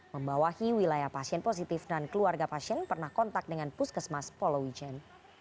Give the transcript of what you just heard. membawahi wilayah pasien positif dan keluarga pasien pernah kontak dengan puskesmas polowijen